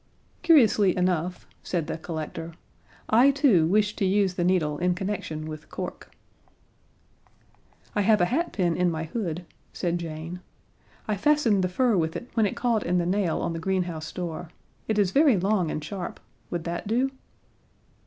"Curiously enough," said the collector, "I too wish to use the needle in connection with cork." "I have a hatpin in my hood," said Jane. "I fastened the fur with it when it caught in the nail on the greenhouse door. It is very long and sharp would that do?"